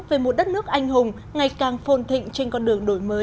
về một đất nước anh hùng ngày càng phôn thịnh trên con đường đổi mới